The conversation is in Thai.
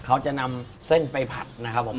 เขาจะนำเส้นไปผัดนะครับผม